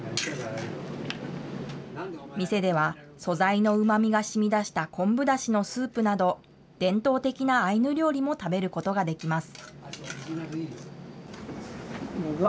店では素材のうまみがしみだした昆布だしのスープなど、伝統的なアイヌ料理も食べることができます。